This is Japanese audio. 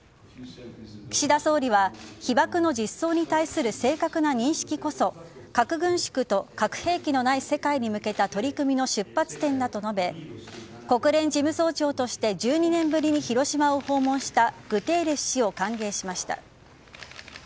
岸田総理は被爆の実相に対する正確な認識こそ核軍縮と核兵器のない世界に向けた取り組みの出発点だと述べ国連事務総長として１２年ぶりに広島を訪問したグテーレス氏を歓迎しました。